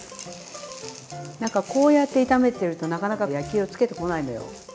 なんかこうやって炒めてるとなかなか焼き色つけてこないのよ。